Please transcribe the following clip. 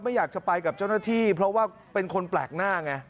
อยากจะไปกับเจ้าหน้าที่เพราะว่าเป็นคนแปลกหน้าไง